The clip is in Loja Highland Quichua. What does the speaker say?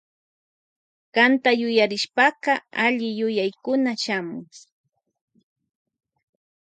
Kanta yuyarishpaka alli yuyaykuna shamun.